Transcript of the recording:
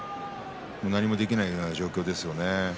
何もできないような状況ですよね。